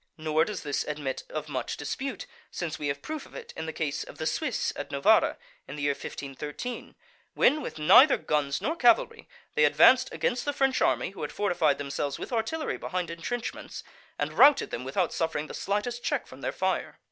Nor does this admit of much dispute, since we have proof of it in the case of the Swiss at Novara, in the year 1513, when, with neither guns nor cavalry, they advanced against the French army, who had fortified themselves with artillery behind entrenchments, and routed them without suffering the slightest check from their fire.